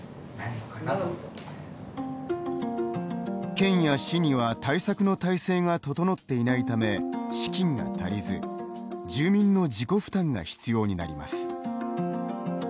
県や市には、対策の体制が整っていないため、資金が足りず住民の自己負担が必要になります。